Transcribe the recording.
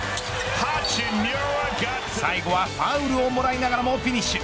最後はファウルをもらいながらもフィニッシュ。